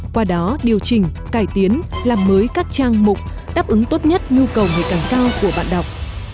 qua đó điều chỉnh cải tiến làm mới các trang mục đáp ứng tốt nhất nhu cầu ngày càng cao của bạn đọc